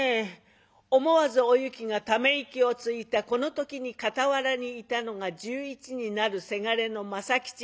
思わずおゆきがため息をついたこの時に傍らにいたのが１１になるせがれの政吉。